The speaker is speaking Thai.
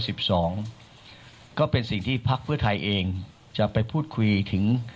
สิบสองก็เป็นสิ่งที่พักเพื่อไทยเองจะไปพูดคุยถึง